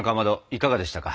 いかがでしたか？